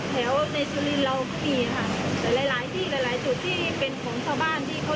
แต่หลายที่หลายที่เป็นของชาวบ้านที่เขายังเลี้ยงอยู่